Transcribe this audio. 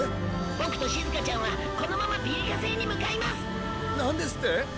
「ボクとしずかちゃんはこのままピリカ星に向かいます」なんですって！？